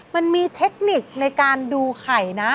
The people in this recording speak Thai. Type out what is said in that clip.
มันมีเทคนิคในการดูไข่นะ